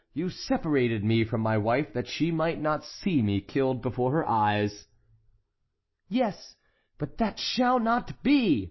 You separated me from my wife that she might not see me killed before her eyes"— "Yes, but that shall not be!"